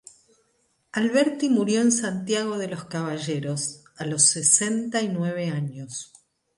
Alberti murió en Santiago de los Caballeros, a los sesenta y nueve años.